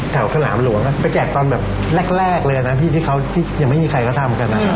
สนามหลวงไปแจกตอนแบบแรกเลยนะพี่ที่เขายังไม่มีใครเขาทำกัน